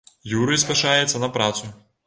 Юрый спяшаецца на працу.